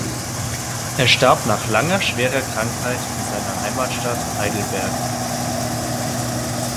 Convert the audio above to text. Er starb nach langer schwerer Krankheit in seiner Heimatstadt Heidelberg.